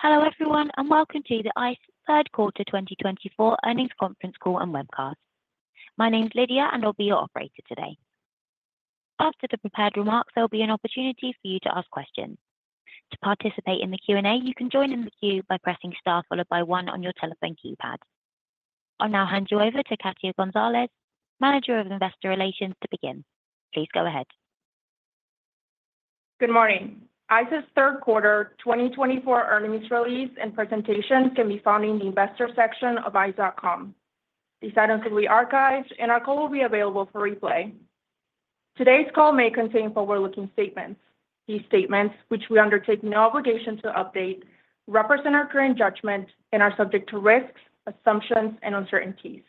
Hello everyone, and welcome to the ICE Third Quarter 2024 Earnings Conference call and webcast. My name's Lydia, and I'll be your operator today. After the prepared remarks, there will be an opportunity for you to ask questions. To participate in the Q&A, you can join in the queue by pressing star followed by one on your telephone keypad. I'll now hand you over to Katia Gonzalez, Manager of Investor Relations, to begin. Please go ahead. Good morning. ICE's Third Quarter 2024 earnings release and presentations can be found in the Investor section of ice.com. These items will be archived, and our call will be available for replay. Today's call may contain forward-looking statements. These statements, which we undertake no obligation to update, represent our current judgment and are subject to risks, assumptions, and uncertainties.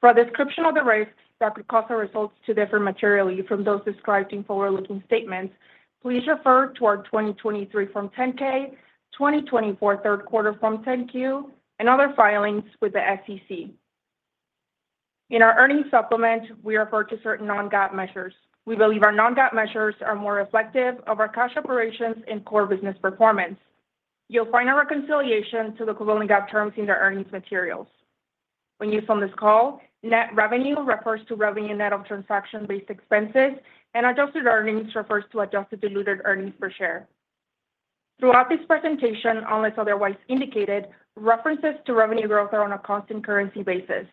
For a description of the risks that could cause our results to differ materially from those described in forward-looking statements, please refer to our 2023 Form 10-K, 2024 Third Quarter Form 10-Q, and other filings with the SEC. In our earnings supplement, we refer to certain non-GAAP measures. We believe our non-GAAP measures are more reflective of our cash operations and core business performance. You'll find a reconciliation to the GAAP terms in the earnings materials. When you send this call, net revenue refers to revenue net of transaction-based expenses, and adjusted earnings refers to adjusted diluted earnings per share. Throughout this presentation, unless otherwise indicated, references to revenue growth are on a constant currency basis.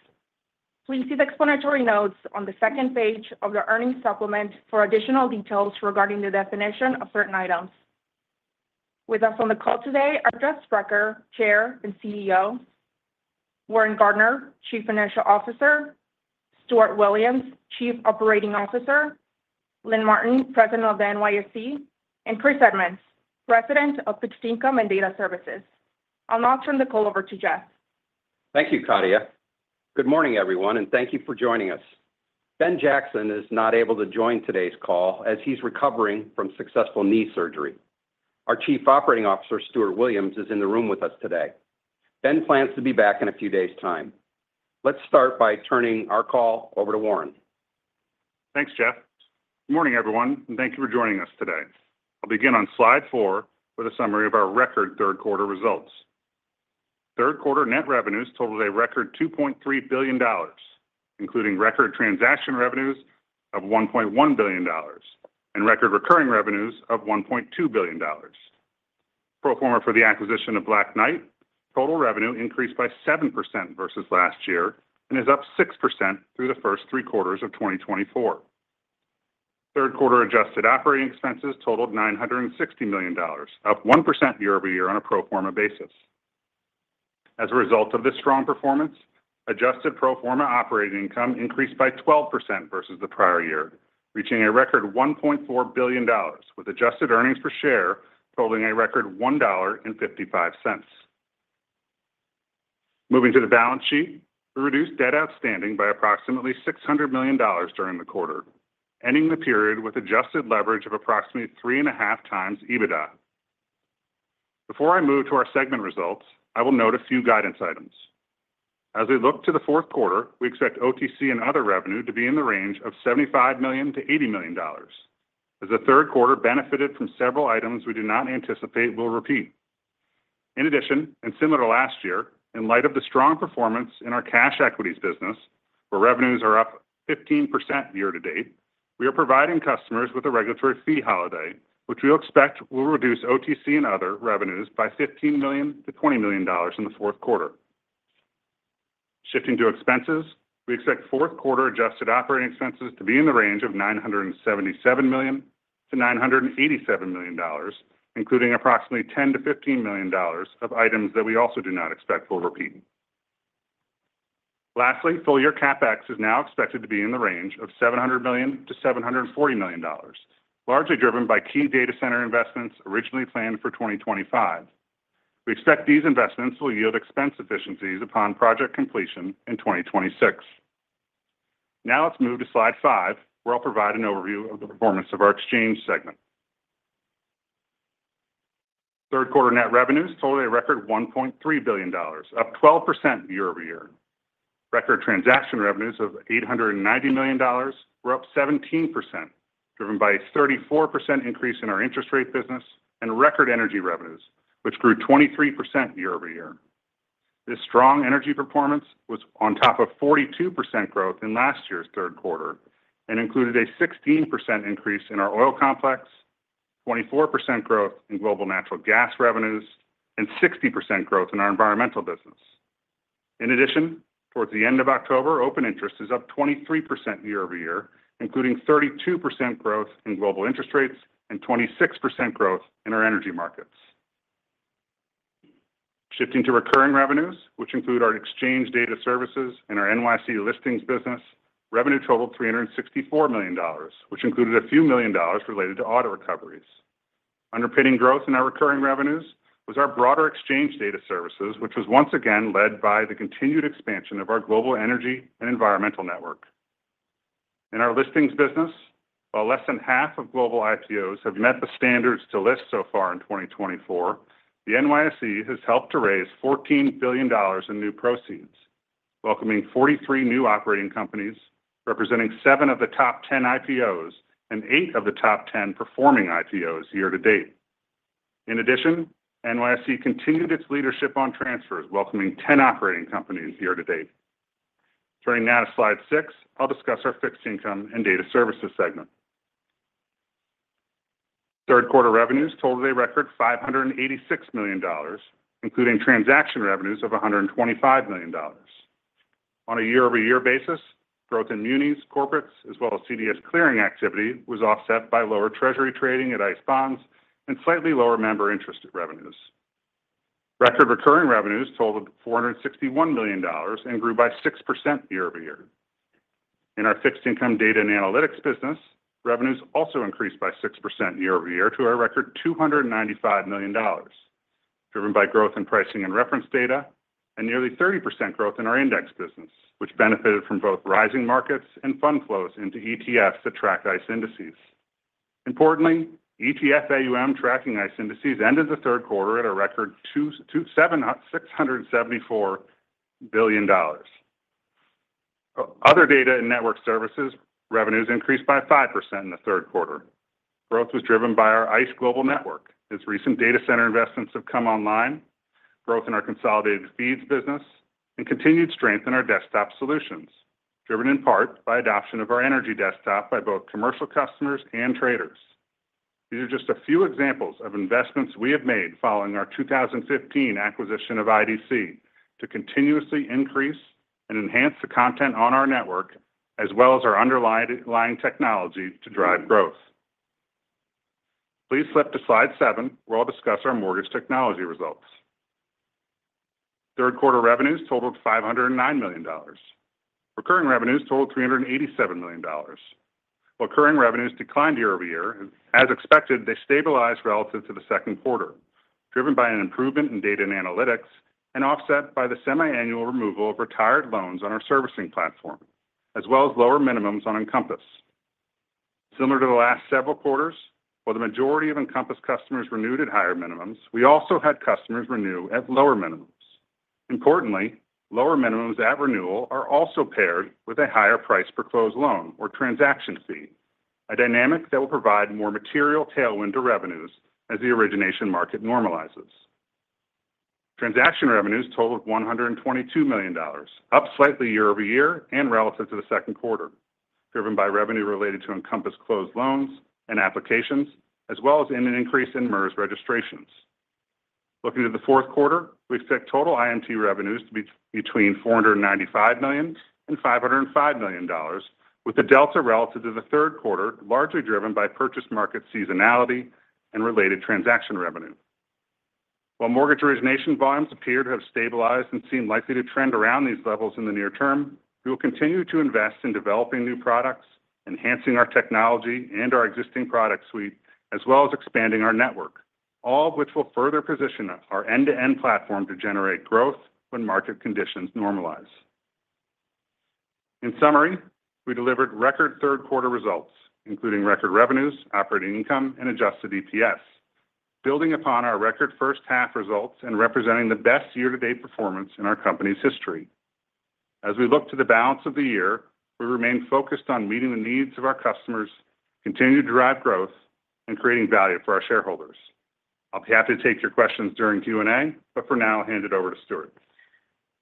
Please see the explanatory notes on the second page of the earnings supplement for additional details regarding the definition of certain items. With us on the call today are Jeff Sprecher, Chair and CEO, Warren Gardiner, Chief Financial Officer, Stuart Williams, Chief Operating Officer, Lynn Martin, President of the NYSE, and Chris Edmonds, President of Fixed Income and Data Services. I'll now turn the call over to Jeff. Thank you, Katia. Good morning, everyone, and thank you for joining us. Ben Jackson is not able to join today's call as he's recovering from successful knee surgery. Our Chief Operating Officer, Stuart Williams, is in the room with us today. Ben plans to be back in a few days' time. Let's start by turning our call over to Warren. Thanks, Jeff. Good morning, everyone, and thank you for joining us today. I'll begin on slide four with a summary of our record Third Quarter results. Third Quarter net revenues totaled a record $2.3 billion, including record transaction revenues of $1.1 billion and record recurring revenues of $1.2 billion. Pro forma for the acquisition of Black Knight, total revenue increased by 7% versus last year and is up 6% through the first three quarters of 2024. Third Quarter adjusted operating expenses totaled $960 million, up 1% year-over-year on a pro forma basis. As a result of this strong performance, adjusted pro forma operating income increased by 12% versus the prior year, reaching a record $1.4 billion, with adjusted earnings per share totaling a record $1.55. Moving to the balance sheet, we reduced debt outstanding by approximately $600 million during the quarter, ending the period with adjusted leverage of approximately three and a half times EBITDA. Before I move to our segment results, I will note a few guidance items. As we look to the fourth quarter, we expect OTC and other revenue to be in the range of $75 million-$80 million, as the third quarter benefited from several items we do not anticipate will repeat. In addition, and similar to last year, in light of the strong performance in our cash equities business, where revenues are up 15% year to date, we are providing customers with a regulatory fee holiday, which we expect will reduce OTC and other revenues by $15 million-$20 million in the fourth quarter. Shifting to expenses, we expect fourth quarter adjusted operating expenses to be in the range of $977 million-$987 million, including approximately $10 million-$15 million of items that we also do not expect will repeat. Lastly, full year CapEx is now expected to be in the range of $700 million-$740 million, largely driven by key data center investments originally planned for 2025. We expect these investments will yield expense efficiencies upon project completion in 2026. Now let's move to slide five, where I'll provide an overview of the performance of our exchange segment. Third quarter net revenues totaled a record $1.3 billion, up 12% year-over-year. Record transaction revenues of $890 million were up 17%, driven by a 34% increase in our interest rate business and record energy revenues, which grew 23% year-over-year. This strong energy performance was on top of 42% growth in last year's third quarter and included a 16% increase in our Oil Complex, 24% growth in global natural gas revenues, and 60% growth in our Environmental Business. In addition, towards the end of October, open interest is up 23% year-over-year, including 32% growth in global interest rates and 26% growth in our Energy Markets. Shifting to recurring revenues, which include our exchange data services and our NYSE Listings Business, revenue totaled $364 million, which included a few million dollars related to audit recoveries. Underpinning growth in our recurring revenues was our broader exchange data services, which was once again led by the continued expansion of our global energy and environmental network. In our listings business, while less than half of global IPOs have met the standards to list so far in 2024, the NYSE has helped to raise $14 billion in new proceeds, welcoming 43 new operating companies, representing seven of the top 10 IPOs and eight of the top 10 performing IPOs year to date. In addition, NYSE continued its leadership on transfers, welcoming 10 operating companies year to date. Turning now to slide six, I'll discuss our fixed income and data services segment. Third quarter revenues totaled a record $586 million, including transaction revenues of $125 million. On a year-over-year basis, growth in munis, corporates, as well as CDS Clearing activity was offset by lower treasury trading at ICE Bonds and slightly lower member interest revenues. Record recurring revenues totaled $461 million and grew by 6% year-over-year. In our fixed income data and analytics business, revenues also increased by 6% year-over-year to a record $295 million, driven by growth in pricing and reference data, and nearly 30% growth in our index business, which benefited from both rising markets and fund flows into ETFs that track ICE indices. Importantly, ETF AUM tracking ICE indices ended the third quarter at a record $674 billion. Other data and network services revenues increased by 5% in the third quarter. Growth was driven by our ICE Global Network. As recent data center investments have come online, growth in our consolidated feeds business, and continued strength in our desktop solutions, driven in part by adoption of our energy desktop by both commercial customers and traders. These are just a few examples of investments we have made following our 2015 acquisition of IDC to continuously increase and enhance the content on our network, as well as our underlying technology to drive growth. Please flip to slide seven, where I'll discuss our mortgage technology results. Third Quarter revenues totaled $509 million. Recurring revenues totaled $387 million. While current revenues declined year-over-year, as expected, they stabilized relative to the second quarter, driven by an improvement in data and analytics and offset by the semi-annual removal of retired loans on our servicing platform, as well as lower minimums on Encompass. Similar to the last several quarters, while the majority of Encompass customers renewed at higher minimums, we also had customers renew at lower minimums. Importantly, lower minimums at renewal are also paired with a higher price per closed loan or transaction fee, a dynamic that will provide more material tailwind to revenues as the origination market normalizes. Transaction revenues totaled $122 million, up slightly year-over-year and relative to the second quarter, driven by revenue related to Encompass closed loans and applications, as well as an increase in MERS registrations. Looking to the fourth quarter, we expect total IMT revenues to be between $495 million and $505 million, with the delta relative to the third quarter largely driven by purchased market seasonality and related transaction revenue. While mortgage origination volumes appear to have stabilized and seem likely to trend around these levels in the near term, we will continue to invest in developing new products, enhancing our technology and our existing product suite, as well as expanding our network, all of which will further position our end-to-end platform to generate growth when market conditions normalize. In summary, we delivered record third quarter results, including record revenues, operating income, and adjusted EPS, building upon our record first half results and representing the best year-to-date performance in our company's history. As we look to the balance of the year, we remain focused on meeting the needs of our customers, continuing to drive growth, and creating value for our shareholders. I'll be happy to take your questions during Q&A, but for now, I'll hand it over to Stuart.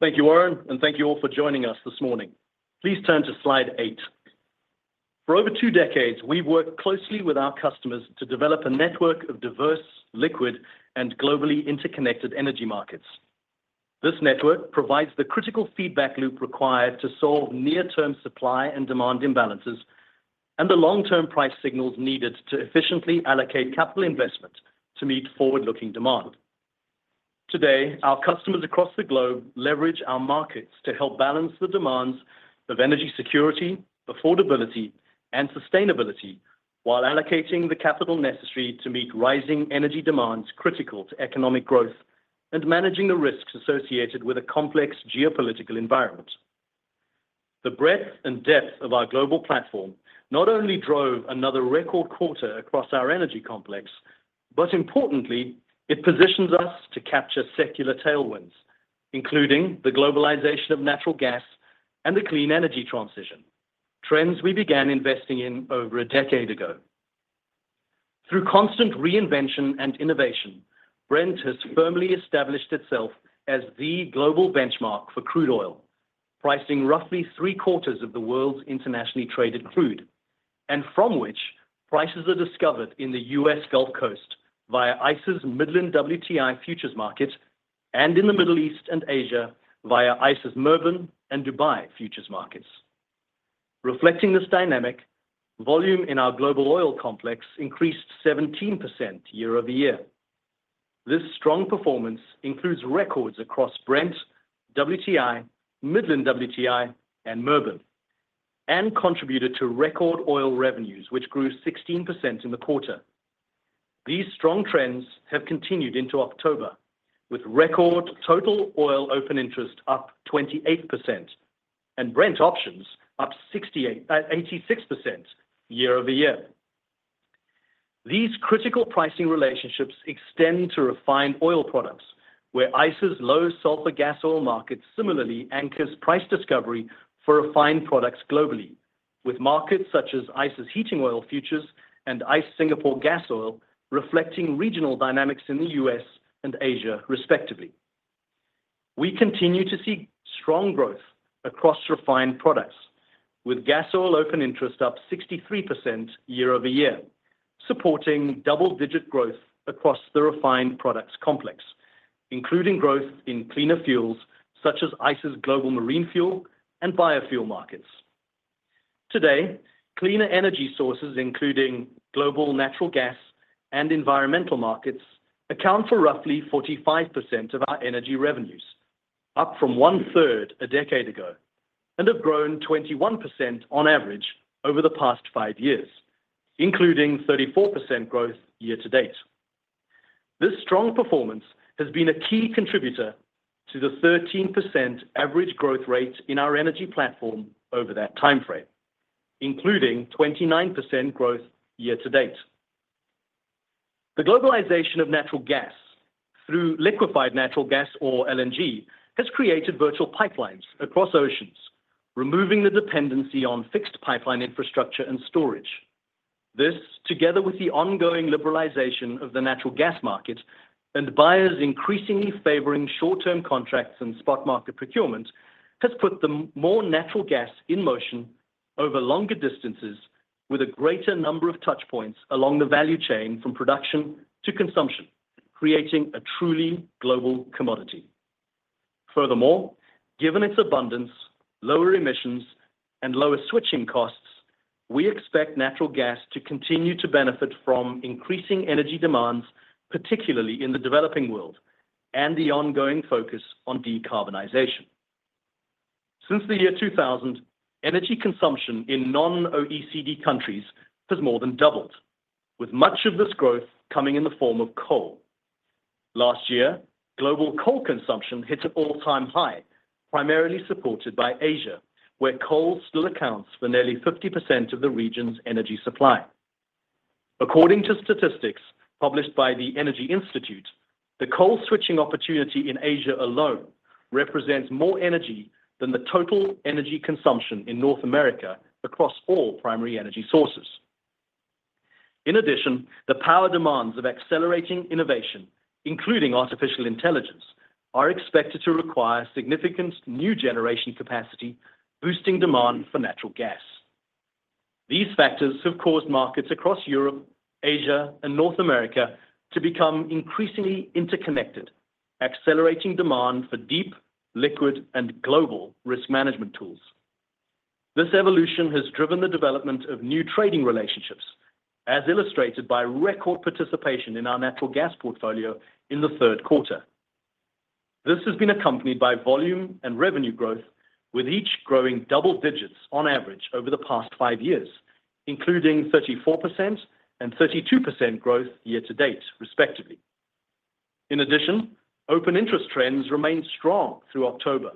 Thank you, Warren, and thank you all for joining us this morning. Please turn to slide eight. For over two decades, we've worked closely with our customers to develop a network of diverse, liquid, and globally interconnected energy markets. This network provides the critical feedback loop required to solve near-term supply and demand imbalances and the long-term price signals needed to efficiently allocate capital investment to meet forward-looking demand. Today, our customers across the globe leverage our markets to help balance the demands of energy security, affordability, and sustainability while allocating the capital necessary to meet rising energy demands critical to economic growth and managing the risks associated with a complex geopolitical environment. The breadth and depth of our global platform not only drove another record quarter across our energy complex, but importantly, it positions us to capture secular tailwinds, including the globalization of natural gas and the clean energy transition, trends we began investing in over a decade ago. Through constant reinvention and innovation, Brent has firmly established itself as the global benchmark for crude oil, pricing roughly three quarters of the world's internationally traded crude, and from which prices are discovered in the U.S. Gulf Coast via ICE's Midland WTI futures market and in the Middle East and Asia via ICE's Murban and Dubai futures markets. Reflecting this dynamic, volume in our global oil complex increased 17% year-over-year. This strong performance includes records across Brent, WTI, Midland WTI, and Murban, and contributed to record oil revenues, which grew 16% in the quarter. These strong trends have continued into October, with record total oil open interest up 28% and Brent options up 86% year-over-year. These critical pricing relationships extend to refined oil products, where ICE's low sulfur gas oil market similarly anchors price discovery for refined products globally, with markets such as ICE's heating oil futures and ICE Singapore gas oil reflecting regional dynamics in the U.S. and Asia, respectively. We continue to see strong growth across refined products, with gas oil open interest up 63% year-over-year, supporting double-digit growth across the refined products complex, including growth in cleaner fuels such as ICE's global marine fuel and biofuel markets. Today, cleaner energy sources, including global natural gas and environmental markets, account for roughly 45% of our energy revenues, up from one-third a decade ago and have grown 21% on average over the past five years, including 34% growth year to date. This strong performance has been a key contributor to the 13% average growth rate in our energy platform over that timeframe, including 29% growth year to date. The globalization of natural gas through liquefied natural gas or LNG has created virtual pipelines across oceans, removing the dependency on fixed pipeline infrastructure and storage. This, together with the ongoing liberalization of the natural gas market and buyers increasingly favoring short-term contracts and spot market procurement, has put more natural gas in motion over longer distances with a greater number of touchpoints along the value chain from production to consumption, creating a truly global commodity. Furthermore, given its abundance, lower emissions, and lower switching costs, we expect natural gas to continue to benefit from increasing energy demands, particularly in the developing world and the ongoing focus on decarbonization. Since the year 2000, energy consumption in non-OECD countries has more than doubled, with much of this growth coming in the form of coal. Last year, global coal consumption hit an all-time high, primarily supported by Asia, where coal still accounts for nearly 50% of the region's energy supply. According to statistics published by the Energy Institute, the coal switching opportunity in Asia alone represents more energy than the total energy consumption in North America across all primary energy sources. In addition, the power demands of accelerating innovation, including artificial intelligence, are expected to require significant new generation capacity, boosting demand for natural gas. These factors have caused markets across Europe, Asia, and North America to become increasingly interconnected, accelerating demand for deep, liquid, and global risk management tools. This evolution has driven the development of new trading relationships, as illustrated by record participation in our natural gas portfolio in the third quarter. This has been accompanied by volume and revenue growth, with each growing double digits on average over the past five years, including 34% and 32% growth year to date, respectively. In addition, open interest trends remained strong through October,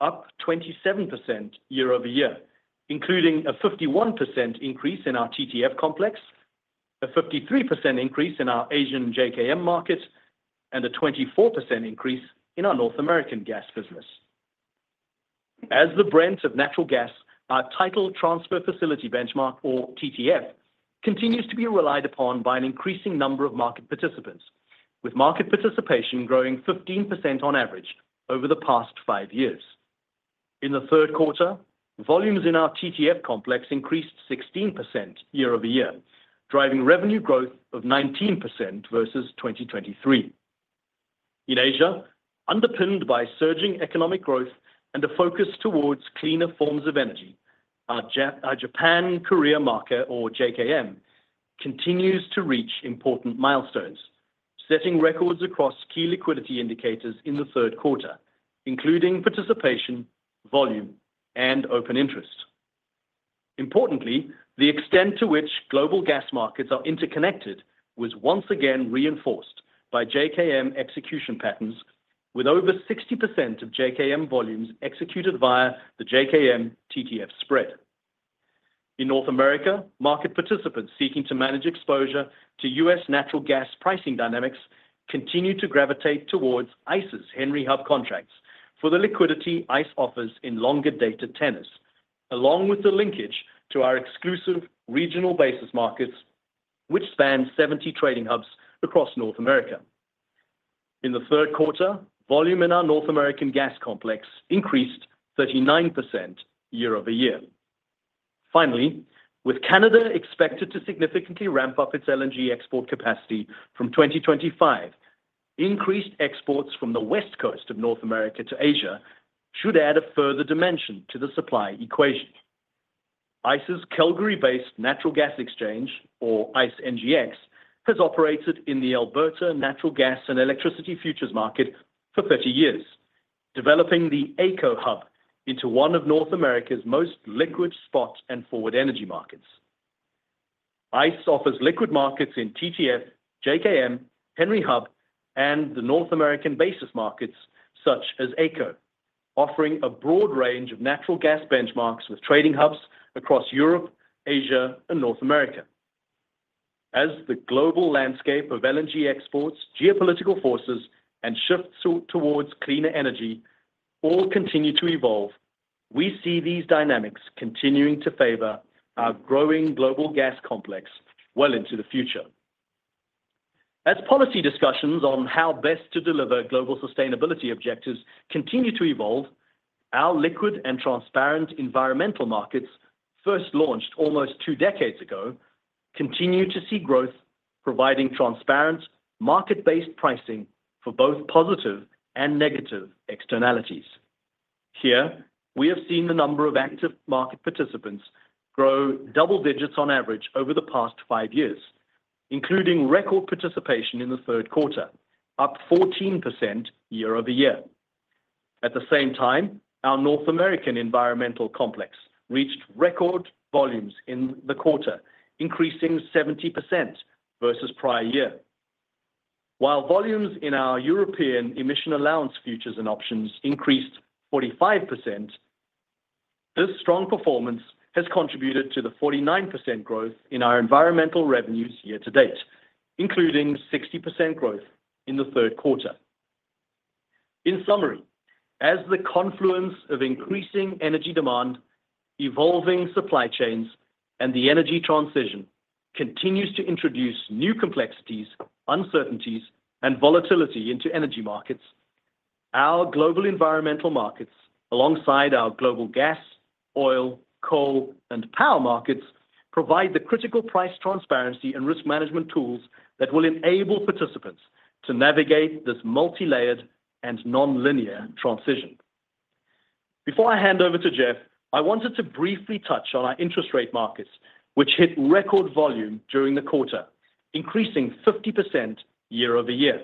up 27% year-over-year, including a 51% increase in our TTF complex, a 53% increase in our Asian JKM market, and a 24% increase in our North American gas business. As the Brent of natural gas, our Title Transfer Facility benchmark, or TTF, continues to be relied upon by an increasing number of market participants, with market participation growing 15% on average over the past five years. In the third quarter, volumes in our TTF complex increased 16% year-over-year, driving revenue growth of 19% versus 2023. In Asia, underpinned by surging economic growth and a focus toward cleaner forms of energy, our Japan-Korea Marker, or JKM, continues to reach important milestones, setting records across key liquidity indicators in the third quarter, including participation, volume, and open interest. Importantly, the extent to which global gas markets are interconnected was once again reinforced by JKM execution patterns, with over 60% of JKM volumes executed via the JKM TTF spread. In North America, market participants seeking to manage exposure to U.S. natural gas pricing dynamics continue to gravitate towards ICE's Henry Hub contracts for the liquidity ICE offers in longer data tenors, along with the linkage to our exclusive regional basis markets, which spans 70 trading hubs across North America. In the third quarter, volume in our North American gas complex increased 39% year-over-year. Finally, with Canada expected to significantly ramp up its LNG export capacity from 2025, increased exports from the West Coast of North America to Asia should add a further dimension to the supply equation. ICE's Calgary-based natural gas exchange, or ICE NGX, has operated in the Alberta natural gas and electricity futures market for 30 years, developing the AECO Hub into one of North America's most liquid spot and forward energy markets. ICE offers liquid markets in TTF, JKM, Henry Hub, and the North American basis markets such as AECO, offering a broad range of natural gas benchmarks with trading hubs across Europe, Asia, and North America. As the global landscape of LNG exports, geopolitical forces, and shifts towards cleaner energy all continue to evolve, we see these dynamics continuing to favor our growing global gas complex well into the future. As policy discussions on how best to deliver global sustainability objectives continue to evolve, our liquid and transparent environmental markets, first launched almost two decades ago, continue to see growth, providing transparent, market-based pricing for both positive and negative externalities. Here, we have seen the number of active market participants grow double digits on average over the past five years, including record participation in the third quarter, up 14% year-over-year. At the same time, our North American environmental complex reached record volumes in the quarter, increasing 70% versus prior year. While volumes in our European emission allowance futures and options increased 45%, this strong performance has contributed to the 49% growth in our environmental revenues year to date, including 60% growth in the third quarter. In summary, as the confluence of increasing energy demand, evolving supply chains, and the energy transition continues to introduce new complexities, uncertainties, and volatility into energy markets, our global environmental markets, alongside our global gas, oil, coal, and power markets, provide the critical price transparency and risk management tools that will enable participants to navigate this multi-layered and non-linear transition. Before I hand over to Jeff, I wanted to briefly touch on our interest rate markets, which hit record volume during the quarter, increasing 50% year-over-year.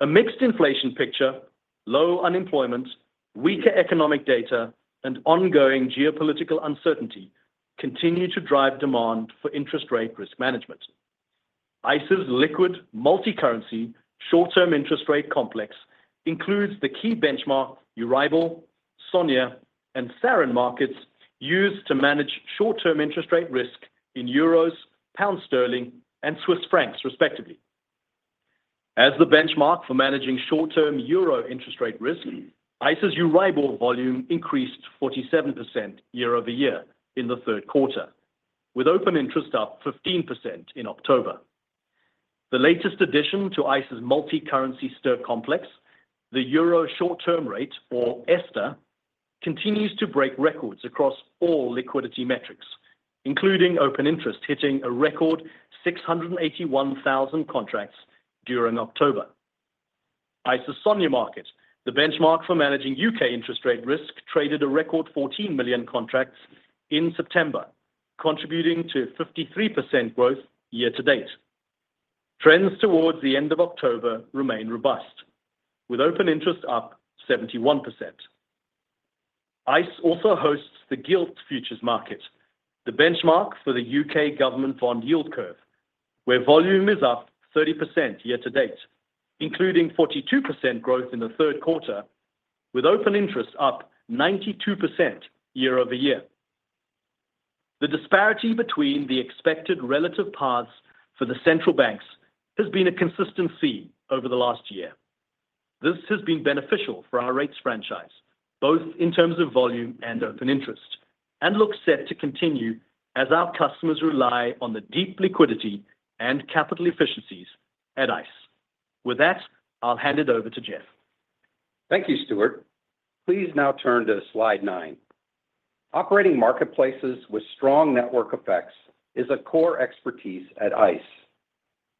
A mixed inflation picture, low unemployment, weaker economic data, and ongoing geopolitical uncertainty continue to drive demand for interest rate risk management. ICE's liquid multi-currency short-term interest rate complex includes the key benchmark Euribor, SONIA, and SARON markets used to manage short-term interest rate risk in euros, pound sterling, and Swiss francs, respectively. As the benchmark for managing short-term euro interest rate risk, ICE's Euribor volume increased 47% year-over-year in the third quarter, with open interest up 15% in October. The latest addition to ICE's multi-currency STIR complex, the Euro Short-Term Rate, or ESTER, continues to break records across all liquidity metrics, including open interest hitting a record 681,000 contracts during October. ICE's SONIA market, the benchmark for managing UK interest rate risk, traded a record 14 million contracts in September, contributing to 53% growth year to date. Trends towards the end of October remain robust, with open interest up 71%. ICE also hosts the Gilt Futures Market, the benchmark for the U.K. government bond yield curve, where volume is up 30% year to date, including 42% growth in the third quarter, with open interest up 92% year-over-year. The disparity between the expected relative paths for the central banks has been a consistent theme over the last year. This has been beneficial for our rates franchise, both in terms of volume and open interest, and looks set to continue as our customers rely on the deep liquidity and capital efficiencies at ICE. With that, I'll hand it over to Jeff. Thank you, Stuart. Please now turn to slide nine. Operating marketplaces with strong network effects is a core expertise at ICE.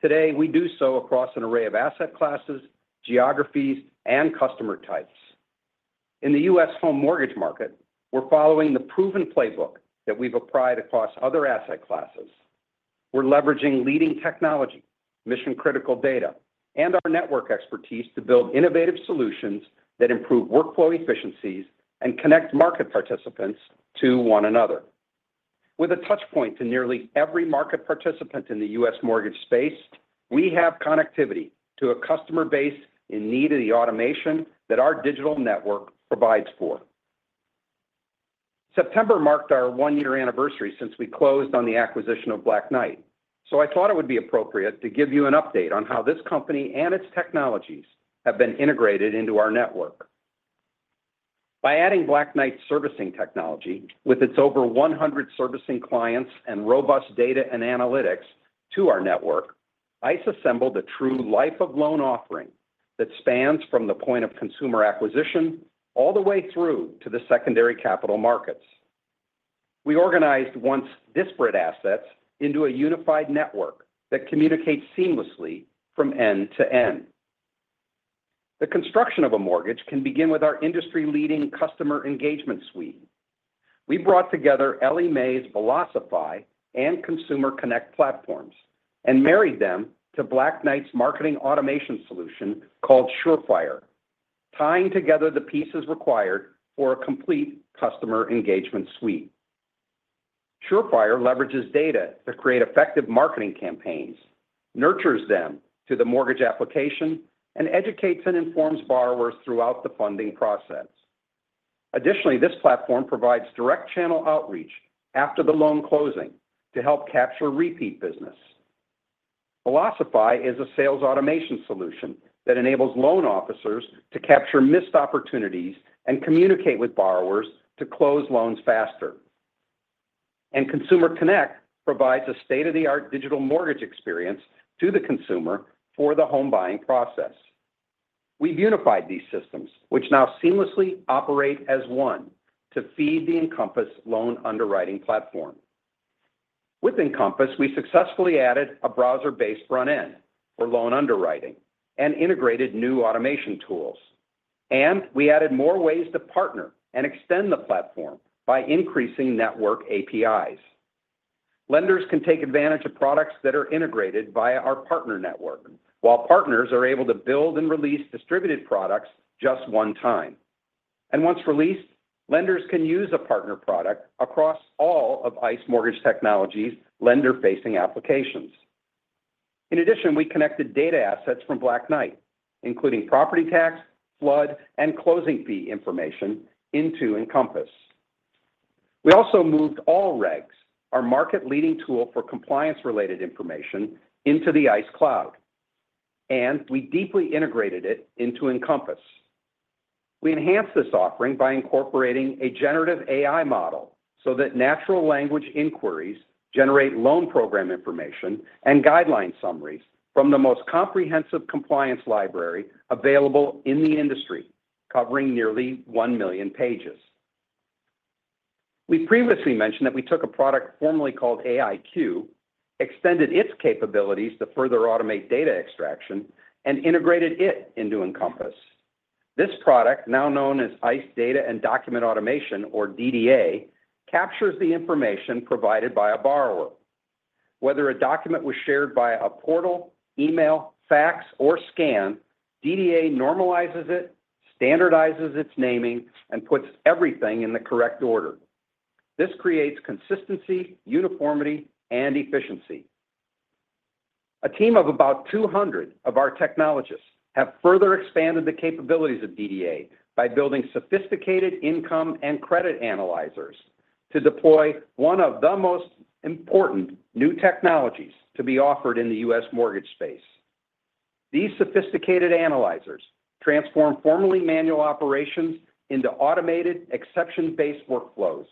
Today, we do so across an array of asset classes, geographies, and customer types. In the U.S. home mortgage market, we're following the proven playbook that we've applied across other asset classes. We're leveraging leading technology, mission-critical data, and our network expertise to build innovative solutions that improve workflow efficiencies and connect market participants to one another. With a touchpoint to nearly every market participant in the U.S. mortgage space, we have connectivity to a customer base in need of the automation that our digital network provides for. September marked our one-year anniversary since we closed on the acquisition of Black Knight, so I thought it would be appropriate to give you an update on how this company and its technologies have been integrated into our network. By adding Black Knight's servicing technology with its over 100 servicing clients and robust data and analytics to our network, ICE assembled a true life-of-loan offering that spans from the point of consumer acquisition all the way through to the secondary capital markets. We organized once disparate assets into a unified network that communicates seamlessly from end to end. The construction of a mortgage can begin with our industry-leading customer engagement suite. We brought together Ellie Mae's Velocify and Consumer Connect platforms and married them to Black Knight's marketing automation solution called Surefire, tying together the pieces required for a complete customer engagement suite. Surefire leverages data to create effective marketing campaigns, nurtures them to the mortgage application, and educates and informs borrowers throughout the funding process. Additionally, this platform provides direct-channel outreach after the loan closing to help capture repeat business. Velocify is a sales automation solution that enables loan officers to capture missed opportunities and communicate with borrowers to close loans faster. Consumer Connect provides a state-of-the-art digital mortgage experience to the consumer for the home buying process. We've unified these systems, which now seamlessly operate as one to feed the Encompass loan underwriting platform. With Encompass, we successfully added a browser-based front-end for loan underwriting and integrated new automation tools. We added more ways to partner and extend the platform by increasing network APIs. Lenders can take advantage of products that are integrated via our partner network, while partners are able to build and release distributed products just one time. Once released, lenders can use a partner product across all of ICE Mortgage Technology's lender-facing applications. In addition, we connected data assets from Black Knight, including property tax, flood, and closing fee information, into Encompass. We also moved AllRegs, our market-leading tool for compliance-related information, into the ICE Cloud, and we deeply integrated it into Encompass. We enhanced this offering by incorporating a generative AI model so that natural language inquiries generate loan program information and guideline summaries from the most comprehensive compliance library available in the industry, covering nearly one million pages. We previously mentioned that we took a product formerly called AIQ, extended its capabilities to further automate data extraction, and integrated it into Encompass. This product, now known as ICE Data and Document Automation, or DDA, captures the information provided by a borrower. Whether a document was shared via a portal, email, fax, or scan, DDA normalizes it, standardizes its naming, and puts everything in the correct order. This creates consistency, uniformity, and efficiency. A team of about 200 of our technologists have further expanded the capabilities of DDA by building sophisticated income and credit analyzers to deploy one of the most important new technologies to be offered in the U.S. mortgage space. These sophisticated analyzers transform formerly manual operations into automated, exception-based workflows.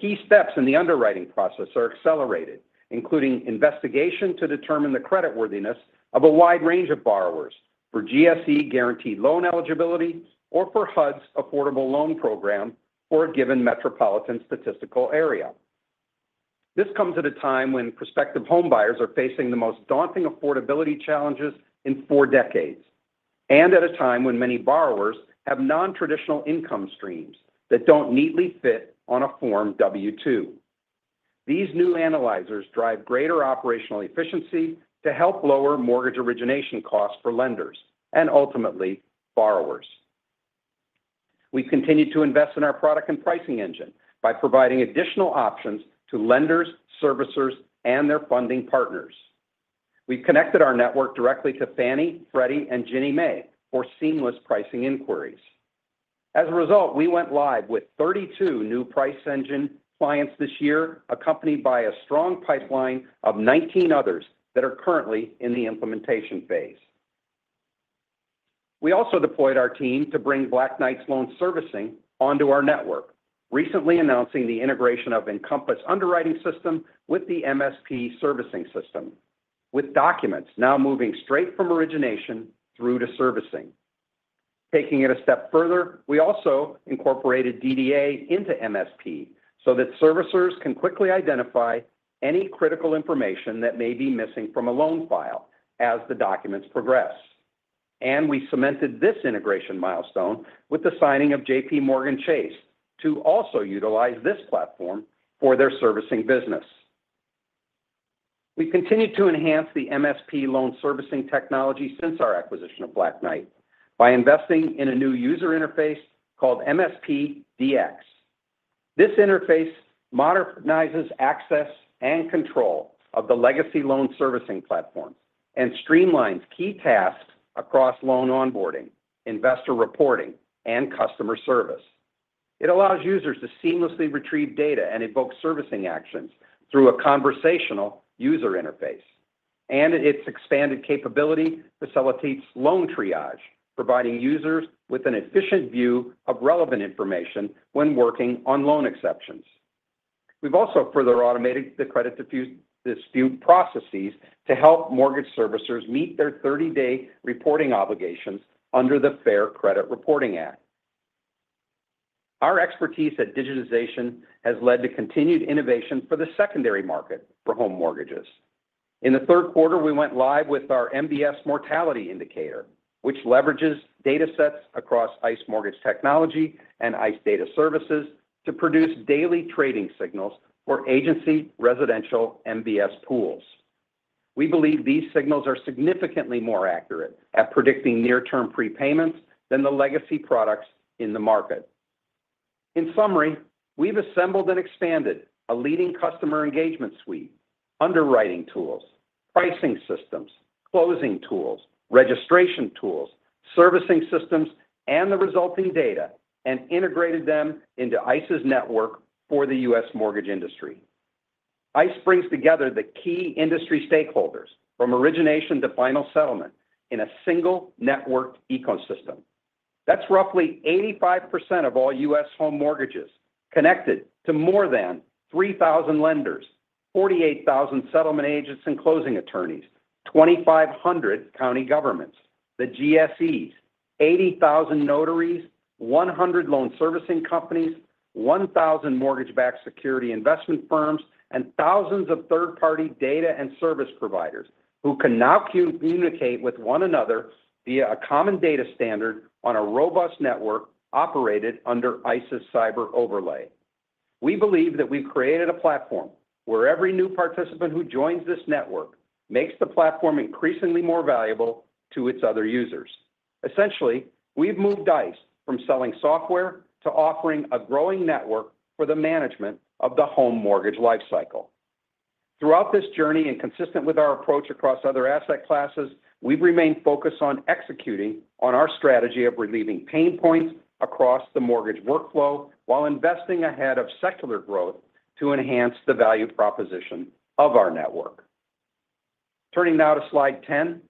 Key steps in the underwriting process are accelerated, including investigation to determine the creditworthiness of a wide range of borrowers for GSE-guaranteed loan eligibility or for HUD's affordable loan program for a given metropolitan statistical area. This comes at a time when prospective homebuyers are facing the most daunting affordability challenges in four decades, and at a time when many borrowers have non-traditional income streams that don't neatly fit on a form W-2. These new analyzers drive greater operational efficiency to help lower mortgage origination costs for lenders and ultimately borrowers. We've continued to invest in our product and pricing engine by providing additional options to lenders, servicers, and their funding partners. We've connected our network directly to Fannie, Freddie, and Ginnie Mae for seamless pricing inquiries. As a result, we went live with 32 new Price Engine clients this year, accompanied by a strong pipeline of 19 others that are currently in the implementation phase. We also deployed our team to bring Black Knight's loan servicing onto our network, recently announcing the integration of Encompass underwriting system with the MSP servicing system, with documents now moving straight from origination through to servicing. Taking it a step further, we also incorporated DDA into MSP so that servicers can quickly identify any critical information that may be missing from a loan file as the documents progress. And we cemented this integration milestone with the signing of JPMorgan Chase to also utilize this platform for their servicing business. We've continued to enhance the MSP loan servicing technology since our acquisition of Black Knight by investing in a new user interface called MSP DX. This interface modernizes access and control of the legacy loan servicing platforms and streamlines key tasks across loan onboarding, investor reporting, and customer service. It allows users to seamlessly retrieve data and evoke servicing actions through a conversational user interface, and its expanded capability facilitates loan triage, providing users with an efficient view of relevant information when working on loan exceptions. We've also further automated the credit dispute processes to help mortgage servicers meet their 30-day reporting obligations under the Fair Credit Reporting Act. Our expertise at digitization has led to continued innovation for the secondary market for home mortgages. In the third quarter, we went live with our MBS mortality indicator, which leverages data sets across ICE Mortgage Technology and ICE Data Services to produce daily trading signals for agency residential MBS pools. We believe these signals are significantly more accurate at predicting near-term prepayments than the legacy products in the market. In summary, we've assembled and expanded a leading customer engagement suite, underwriting tools, pricing systems, closing tools, registration tools, servicing systems, and the resulting data, and integrated them into ICE's network for the U.S. mortgage industry. ICE brings together the key industry stakeholders from origination to final settlement in a single networked ecosystem. That's roughly 85% of all U.S. home mortgages connected to more than 3,000 lenders, 48,000 settlement agents and closing attorneys, 2,500 county governments, the GSEs, 80,000 notaries, 100 loan servicing companies, 1,000 mortgage-backed security investment firms, and thousands of third-party data and service providers who can now communicate with one another via a common data standard on a robust network operated under ICE's cyber overlay. We believe that we've created a platform where every new participant who joins this network makes the platform increasingly more valuable to its other users. Essentially, we've moved ICE from selling software to offering a growing network for the management of the home mortgage lifecycle. Throughout this journey and consistent with our approach across other asset classes, we've remained focused on executing on our strategy of relieving pain points across the mortgage workflow while investing ahead of secular growth to enhance the value proposition of our network. Turning now to slide 10,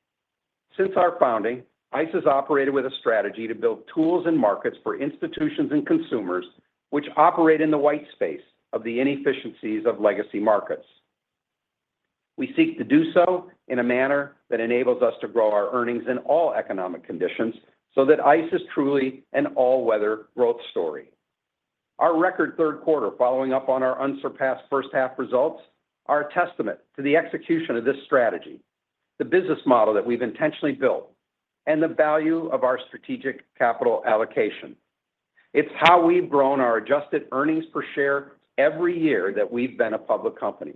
since our founding, ICE has operated with a strategy to build tools and markets for institutions and consumers which operate in the white space of the inefficiencies of legacy markets. We seek to do so in a manner that enables us to grow our earnings in all economic conditions so that ICE is truly an all-weather growth story. Our record third quarter following up on our unsurpassed first-half results are a testament to the execution of this strategy, the business model that we've intentionally built, and the value of our strategic capital allocation. It's how we've grown our adjusted earnings per share every year that we've been a public company.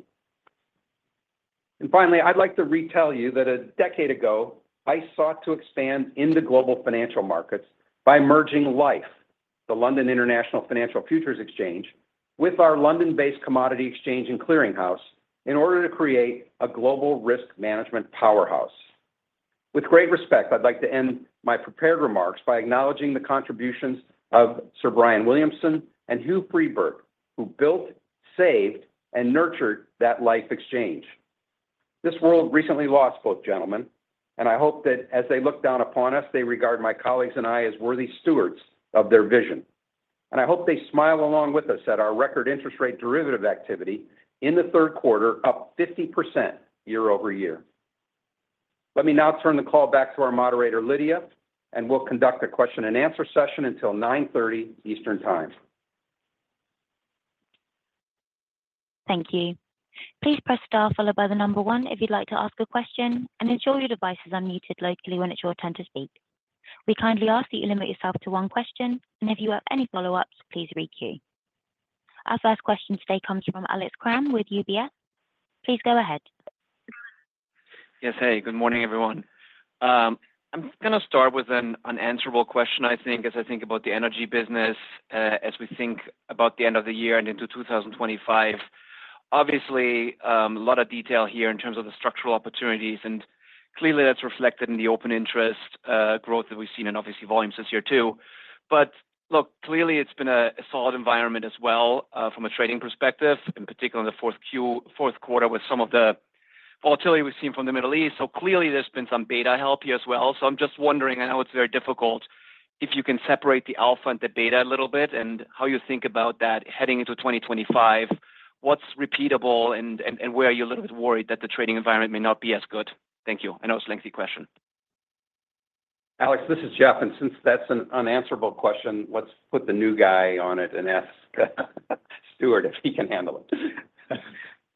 And finally, I'd like to remind you that a decade ago, ICE sought to expand into global financial markets by merging LIFFE, the London International Financial Futures Exchange, with our London-based commodity exchange and clearinghouse in order to create a global risk management powerhouse. With great respect, I'd like to end my prepared remarks by acknowledging the contributions of Sir Brian Williamson and Hugh Freedberg, who built, saved, and nurtured that LIFFE exchange. This world recently lost both gentlemen, and I hope that as they look down upon us, they regard my colleagues and I as worthy stewards of their vision. And I hope they smile along with us at our record interest rate derivative activity in the third quarter, up 50% year-over-year. Let me now turn the call back to our moderator, Lydia, and we'll conduct a question-and-answer session until 9:30 A.M. Eastern Time. Thank you. Please press star followed by the number one if you'd like to ask a question, and ensure your device is unmuted locally when it's your turn to speak. We kindly ask that you limit yourself to one question, and if you have any follow-ups, please read through. Our first question today comes from Alex Kramm with UBS. Please go ahead. Yes, hey, good morning, everyone. I'm going to start with an answerable question, I think, as I think about the energy business as we think about the end of the year and into 2025. Obviously, a lot of detail here in terms of the structural opportunities, and clearly that's reflected in the open interest growth that we've seen and obviously volumes this year too. But look, clearly it's been a solid environment as well from a trading perspective, in particular in the fourth quarter with some of the volatility we've seen from the Middle East. So clearly there's been some beta help here as well. So I'm just wondering, I know it's very difficult if you can separate the alpha and the beta a little bit and how you think about that heading into 2025, what's repeatable and where are you a little bit worried that the trading environment may not be as good? Thank you. I know it's a lengthy question. Alex, this is Jeff. And since that's an unanswerable question, let's put the new guy on it and ask Stuart if he can handle it.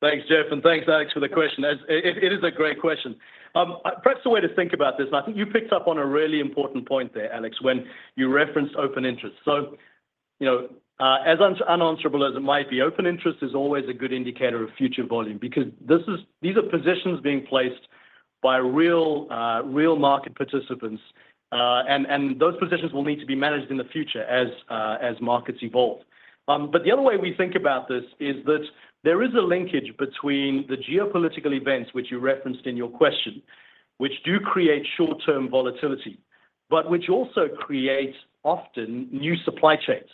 Thanks, Jeff, and thanks, Alex, for the question. It is a great question. Perhaps a way to think about this, and I think you picked up on a really important point there, Alex, when you referenced open interest, so as unanswerable as it might be, open interest is always a good indicator of future volume because these are positions being placed by real market participants, and those positions will need to be managed in the future as markets evolve, but the other way we think about this is that there is a linkage between the geopolitical events, which you referenced in your question, which do create short-term volatility, but which also create often new supply chains,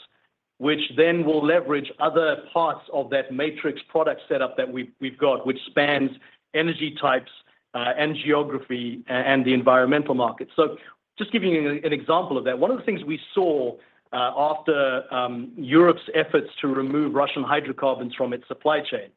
which then will leverage other parts of that matrix product setup that we've got, which spans energy types and geography and the environmental markets. So just giving you an example of that, one of the things we saw after Europe's efforts to remove Russian hydrocarbons from its supply chain,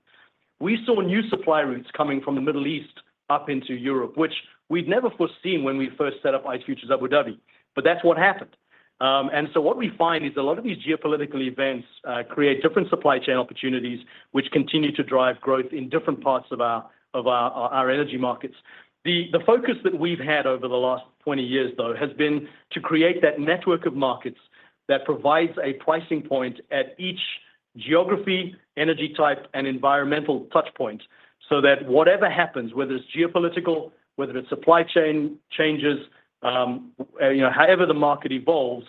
we saw new supply routes coming from the Middle East up into Europe, which we'd never foreseen when we first set up ICE Futures Abu Dhabi, but that's what happened. And so what we find is a lot of these geopolitical events create different supply chain opportunities, which continue to drive growth in different parts of our energy markets. The focus that we've had over the last 20 years, though, has been to create that network of markets that provides a pricing point at each geography, energy type, and environmental touchpoint so that whatever happens, whether it's geopolitical, whether it's supply chain changes, however the market evolves,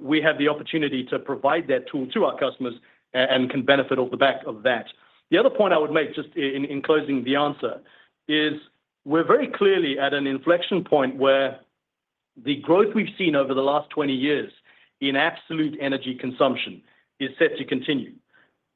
we have the opportunity to provide that tool to our customers and can benefit off the back of that. The other point I would make just in closing the answer is we're very clearly at an inflection point where the growth we've seen over the last 20 years in absolute energy consumption is set to continue.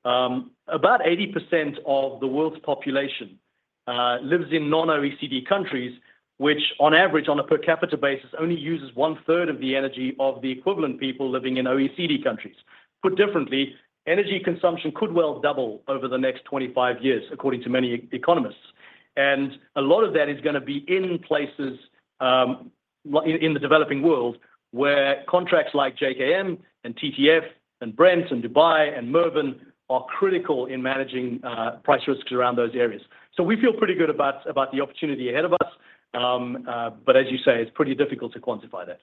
About 80% of the world's population lives in non-OECD countries, which on average, on a per capita basis, only uses one-third of the energy of the equivalent people living in OECD countries. Put differently, energy consumption could well double over the next 25 years, according to many economists, and a lot of that is going to be in places in the developing world where contracts like JKM and TTF and Brent and Dubai and Mervin are critical in managing price risks around those areas, so we feel pretty good about the opportunity ahead of us, but as you say, it's pretty difficult to quantify that.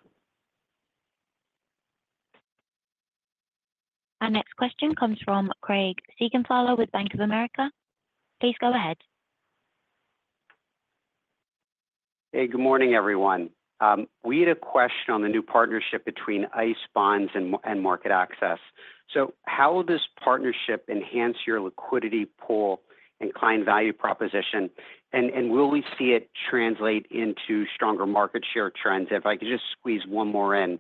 Our next question comes from Craig Siegenthaler with Bank of America. Please go ahead. Hey, good morning, everyone. We had a question on the new partnership between ICE Bonds and MarketAxess, so how will this partnership enhance your liquidity pool and client value proposition, and will we see it translate into stronger market share trends? If I could just squeeze one more in,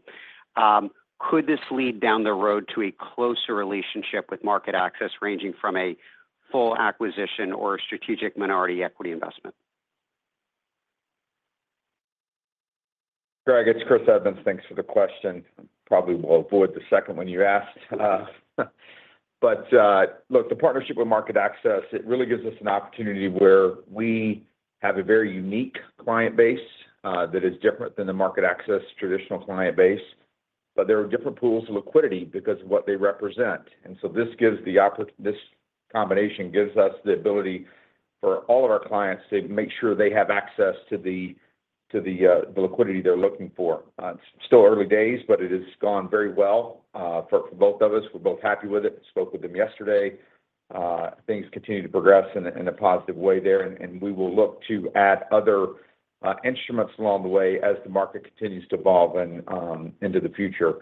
could this lead down the road to a closer relationship with MarketAxess ranging from a full acquisition or a strategic minority equity investment? Greg, it's Chris Edmonds. Thanks for the question. Probably will avoid the second one you asked. But look, the partnership with MarketAxess, it really gives us an opportunity where we have a very unique client base that is different than the MarketAxess traditional client base, but there are different pools of liquidity because of what they represent. And so this combination gives us the ability for all of our clients to make sure they have access to the liquidity they're looking for. It's still early days, but it has gone very well for both of us. We're both happy with it. Spoke with them yesterday. Things continue to progress in a positive way there, and we will look to add other instruments along the way as the market continues to evolve into the future.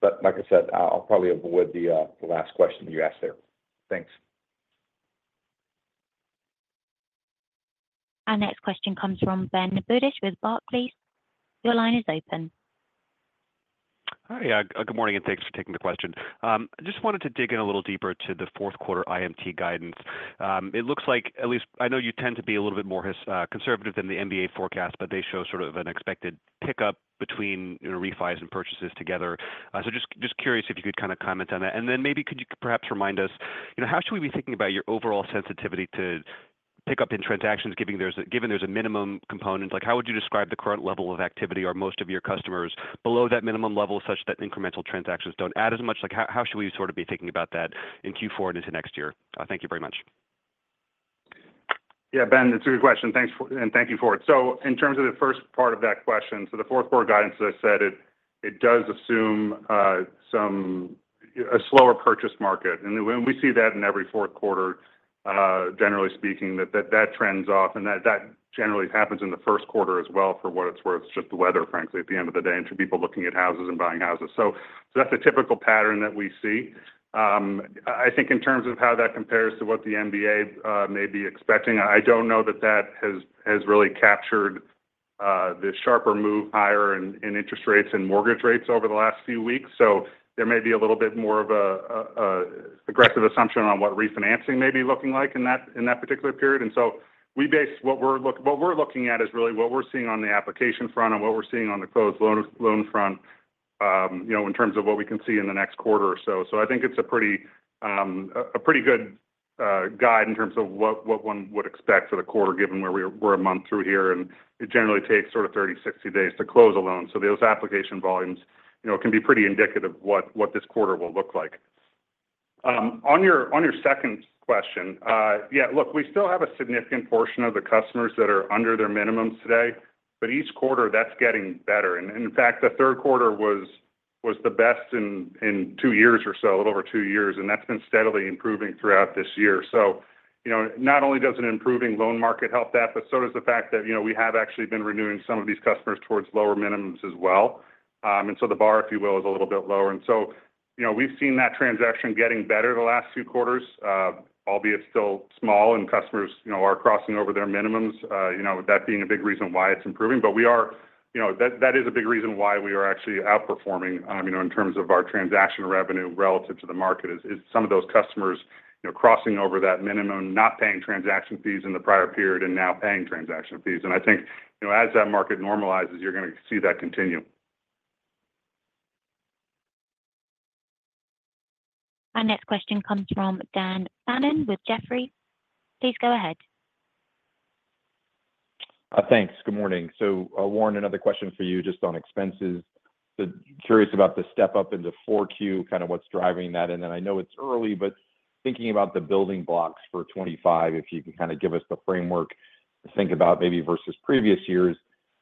But like I said, I'll probably avoid the last question you asked there. Thanks. Our next question comes from Ben Budish with Barclays. Your line is open. Hi, good morning, and thanks for taking the question. I just wanted to dig in a little deeper to the fourth quarter IMT guidance. It looks like, at least I know you tend to be a little bit more conservative than the MBA forecast, but they show sort of an expected pickup between refis and purchases together. So just curious if you could kind of comment on that. And then maybe could you perhaps remind us, how should we be thinking about your overall sensitivity to pickup in transactions, given there's a minimum component? How would you describe the current level of activity or most of your customers below that minimum level such that incremental transactions don't add as much? How should we sort of be thinking about that in Q4 and into next year? Thank you very much. Yeah, Ben, that's a good question. And thank you for it. So in terms of the first part of that question, so the fourth quarter guidance, as I said, it does assume a slower purchase market. And we see that in every fourth quarter, generally speaking, that trends off. And that generally happens in the first quarter as well for what it's worth, just the weather, frankly, at the end of the day, and to people looking at houses and buying houses. So that's a typical pattern that we see. I think in terms of how that compares to what the MBA may be expecting. I don't know that that has really captured the sharper move higher in interest rates and mortgage rates over the last few weeks, so there may be a little bit more of an aggressive assumption on what refinancing may be looking like in that particular period, and so what we're looking at is really what we're seeing on the application front and what we're seeing on the closed loan front in terms of what we can see in the next quarter or so, I think it's a pretty good guide in terms of what one would expect for the quarter, given where we're a month through here, and it generally takes sort of 30-60 days to close a loan. So those application volumes can be pretty indicative of what this quarter will look like. On your second question, yeah, look, we still have a significant portion of the customers that are under their minimums today, but each quarter that's getting better. And in fact, the third quarter was the best in two years or so, a little over two years, and that's been steadily improving throughout this year. So not only does an improving loan market help that, but so does the fact that we have actually been renewing some of these customers towards lower minimums as well. And so the bar, if you will, is a little bit lower. And so we've seen that transaction getting better the last few quarters, albeit still small, and customers are crossing over their minimums, that being a big reason why it's improving. But that is a big reason why we are actually outperforming in terms of our transaction revenue relative to the market, is some of those customers crossing over that minimum, not paying transaction fees in the prior period and now paying transaction fees. And I think as that market normalizes, you're going to see that continue. Our next question comes from Dan Fannon with Jefferies. Please go ahead. Thanks. Good morning. So Warren, another question for you just on expenses. Curious about the step up into Q4, kind of what's driving that. And then I know it's early, but thinking about the building blocks for 2025, if you can kind of give us the framework to think about maybe versus previous years.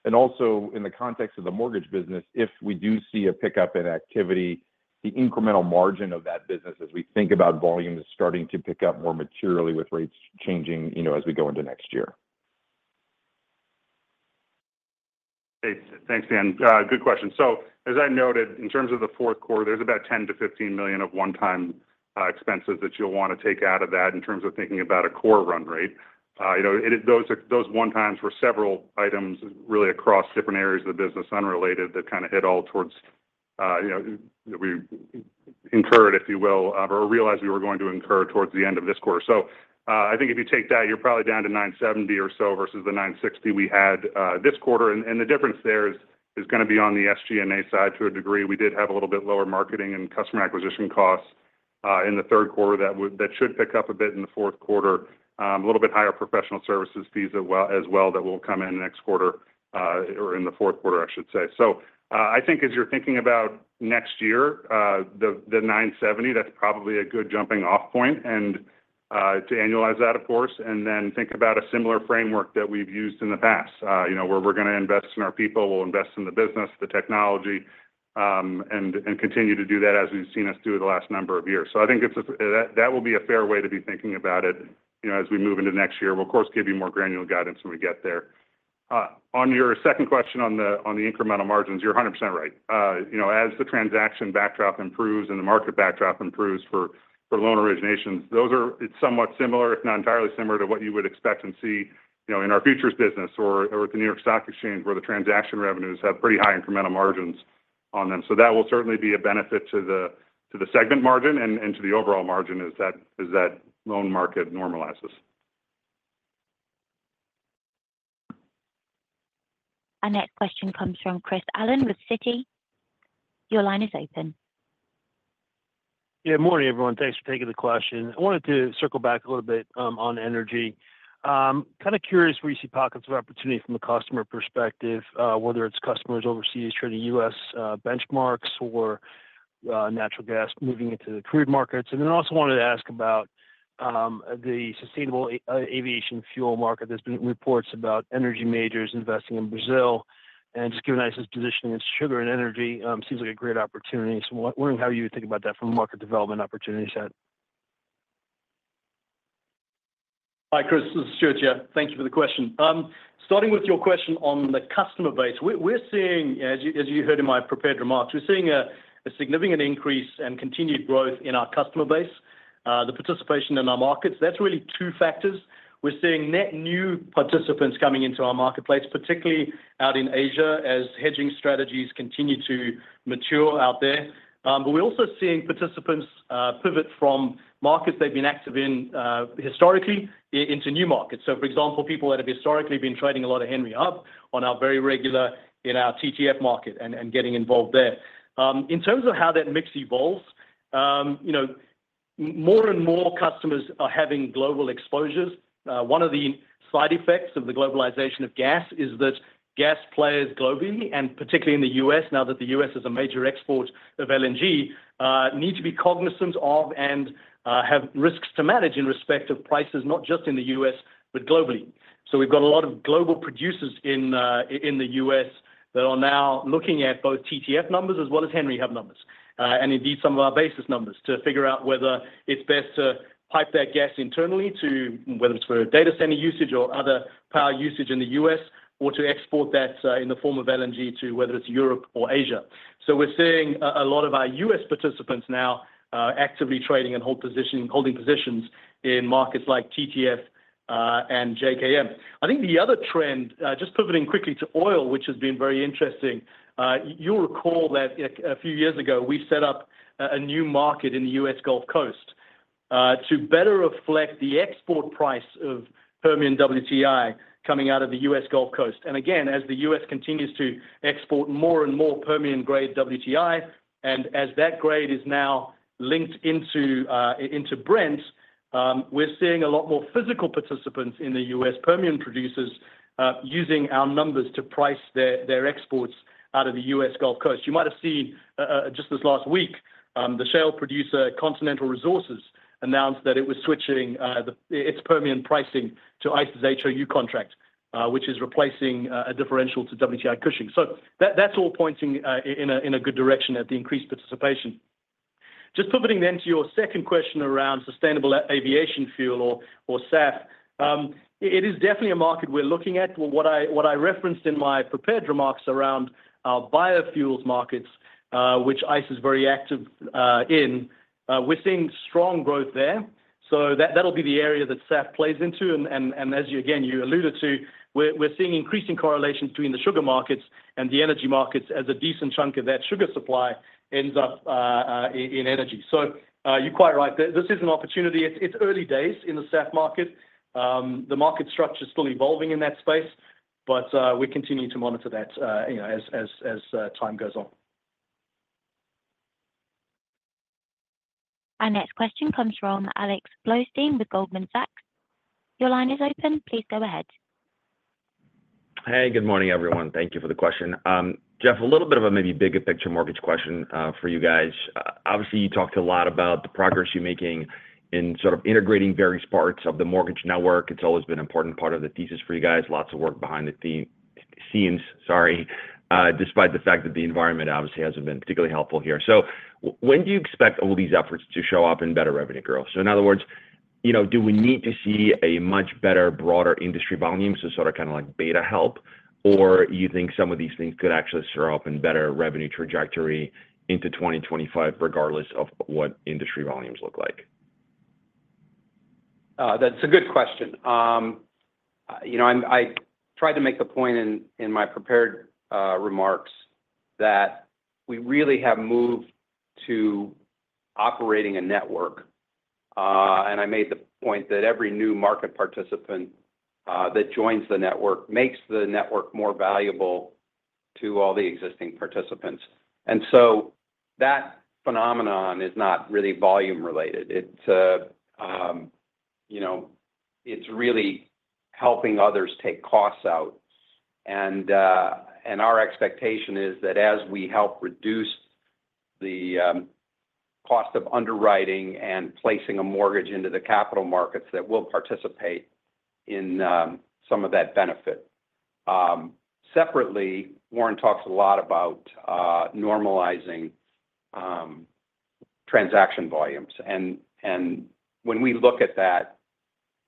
And also in the context of the mortgage business, if we do see a pickup in activity, the incremental margin of that business as we think about volumes starting to pick up more materially with rates changing as we go into next year. Thanks, Dan. Good question. So as I noted, in terms of the fourth quarter, there's about $10 million-$15 million of one-time expenses that you'll want to take out of that in terms of thinking about a core run rate. Those one times were several items really across different areas of the business unrelated that kind of hit all towards that we incurred, if you will, or realized we were going to incur towards the end of this quarter. So I think if you take that, you're probably down to 970 or so versus the 960 we had this quarter. And the difference there is going to be on the SG&A side to a degree. We did have a little bit lower marketing and customer acquisition costs in the third quarter that should pick up a bit in the fourth quarter, a little bit higher professional services fees as well that will come in next quarter or in the fourth quarter, I should say. So I think as you're thinking about next year, the 970, that's probably a good jumping-off point to annualize that, of course, and then think about a similar framework that we've used in the past, where we're going to invest in our people, we'll invest in the business, the technology, and continue to do that as we've seen us do the last number of years. So I think that will be a fair way to be thinking about it as we move into next year. Well, of course, give you more granular guidance when we get there. On your second question on the incremental margins, you're 100% right. As the transaction backdrop improves and the market backdrop improves for loan originations, it's somewhat similar, if not entirely similar, to what you would expect and see in our futures business or at the New York Stock Exchange, where the transaction revenues have pretty high incremental margins on them. So that will certainly be a benefit to the segment margin and to the overall margin as that loan market normalizes. Our next question comes from Chris Allen with Citi. Your line is open. Yeah, morning, everyone. Thanks for taking the question. I wanted to circle back a little bit on energy. Kind of curious where you see pockets of opportunity from the customer perspective, whether it's customers overseas trading U.S. benchmarks or natural gas moving into the crude markets. And then I also wanted to ask about the sustainable aviation fuel market. There's been reports about energy majors investing in Brazil, and just given ICE's position against sugar and energy, it seems like a great opportunity. So I'm wondering how you would think about that from a market development opportunity set. Hi, Chris. This is Stuart here. Thank you for the question. Starting with your question on the customer base, as you heard in my prepared remarks, we're seeing a significant increase and continued growth in our customer base, the participation in our markets. That's really two factors. We're seeing net new participants coming into our marketplace, particularly out in Asia as hedging strategies continue to mature out there. But we're also seeing participants pivot from markets they've been active in historically into new markets. So, for example, people that have historically been trading a lot of Henry Hub on our very regularly in our TTF market and getting involved there. In terms of how that mix evolves, more and more customers are having global exposures. One of the side effects of the globalization of gas is that gas players globally, and particularly in the U.S., now that the U.S. is a major exporter of LNG, need to be cognizant of and have risks to manage in respect of prices, not just in the U.S., but globally. So we've got a lot of global producers in the U.S. that are now looking at both TTF numbers as well as Henry Hub numbers, and indeed some of our basis numbers to figure out whether it's best to pipe that gas internally, whether it's for data center usage or other power usage in the U.S., or to export that in the form of LNG to whether it's Europe or Asia. So we're seeing a lot of our U.S. participants now actively trading and holding positions in markets like TTF and JKM. I think the other trend, just pivoting quickly to oil, which has been very interesting, you'll recall that a few years ago we set up a new market in the U.S. Gulf Coast to better reflect the export price of Permian WTI coming out of the U.S. Gulf Coast. And again, as the U.S. continues to export more and more Permian-grade WTI, and as that grade is now linked into Brent, we're seeing a lot more physical participants in the U.S. Permian producers using our numbers to price their exports out of the U.S. Gulf Coast. You might have seen just this last week, the shale producer Continental Resources announced that it was switching its Permian pricing to ICE's HOU contract, which is replacing a differential to WTI Cushing. So that's all pointing in a good direction at the increased participation. Just pivoting then to your second question around sustainable aviation fuel or SAF, it is definitely a market we're looking at. What I referenced in my prepared remarks around biofuels markets, which ICE is very active in, we're seeing strong growth there. So that'll be the area that SAF plays into. And as you, again, you alluded to, we're seeing increasing correlation between the sugar markets and the energy markets as a decent chunk of that sugar supply ends up in energy. So you're quite right. This is an opportunity. It's early days in the SAF market. The market structure is still evolving in that space, but we continue to monitor that as time goes on. Our next question comes from Alex Blostein with Goldman Sachs. Your line is open. Please go ahead. Hey, good morning, everyone. Thank you for the question. Jeff, a little bit of a maybe bigger picture mortgage question for you guys. Obviously, you talked a lot about the progress you're making in sort of integrating various parts of the mortgage network. It's always been an important part of the thesis for you guys. Lots of work behind the scenes, sorry, despite the fact that the environment obviously hasn't been particularly helpful here. So when do you expect all these efforts to show up in better revenue growth? So in other words, do we need to see a much better, broader industry volume, so sort of kind of like beta help, or do you think some of these things could actually show up in better revenue trajectory into 2025, regardless of what industry volumes look like? That's a good question. I tried to make the point in my prepared remarks that we really have moved to operating a network. And I made the point that every new market participant that joins the network makes the network more valuable to all the existing participants. And so that phenomenon is not really volume-related. It's really helping others take costs out. Our expectation is that as we help reduce the cost of underwriting and placing a mortgage into the capital markets, that we'll participate in some of that benefit. Separately, Warren talks a lot about normalizing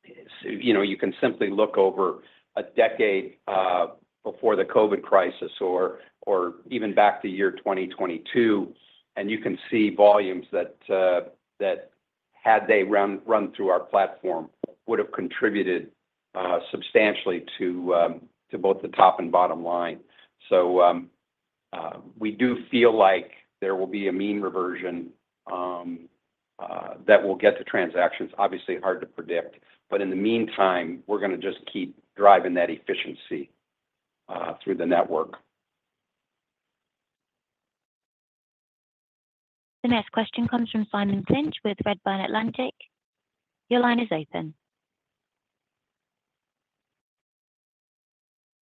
transaction volumes. When we look at that, you can simply look over a decade before the COVID crisis or even back to year 2022, and you can see volumes that, had they run through our platform, would have contributed substantially to both the top and bottom line. We do feel like there will be a mean reversion that will get the transactions. Obviously, hard to predict. But in the meantime, we're going to just keep driving that efficiency through the network. The next question comes from Simon Clinch with Redburn Atlantic. Your line is open.